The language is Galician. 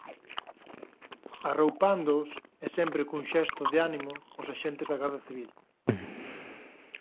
Arroupándoos, e sempre cun xesto de ánimo, os axentes da Garda Civil.